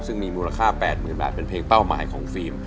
ซึ่งมีมูลค่า๘๐๐๐บาทเป็นเพลงเป้าหมายของฟิล์ม